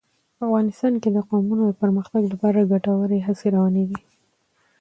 افغانستان کې د قومونه د پرمختګ لپاره ګټورې هڅې روانې دي.